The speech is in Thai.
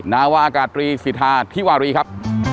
นาวาอากาศตรีสิทธาธิวารีครับ